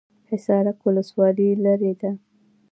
حصارک ولسوالۍ لیرې ده؟